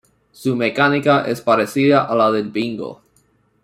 Su mecánica es parecida a la del bingo.